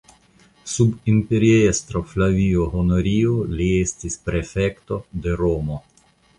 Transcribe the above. Sub imperiestro Flavio Honorio li estis prefekto de Romo.